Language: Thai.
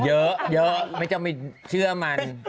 เยอะไม่จำไม่เชื่อมัน